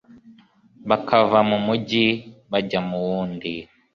bakava mu mugi bajya mu wundi